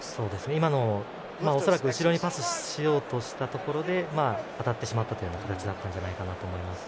今のは恐らく後ろにパスしようとしたところで当たったしまったという形だったんじゃないかと思います。